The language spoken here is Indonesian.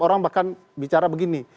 orang bahkan bicara begini